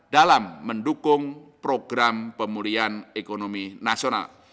dalam mendukung program pemulihan ekonomi nasional